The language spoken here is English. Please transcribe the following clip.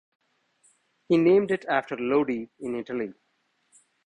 He named it after Lodi, in Italy.